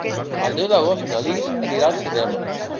El deu d'agost na Lis anirà al cinema.